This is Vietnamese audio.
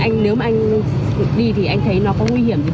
anh nếu mà anh đi thì anh thấy nó có nguy hiểm